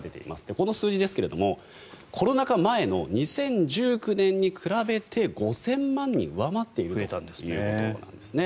この数字ですけれどコロナ禍前の２０１９年に比べて５０００万人上回っているということなんですね。